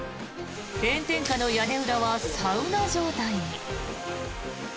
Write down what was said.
炎天下の屋根裏はサウナ状態に。